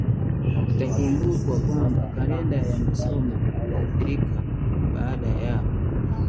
Itakumbukwa kwamba Kalenda ya masomo iliathirika baada ya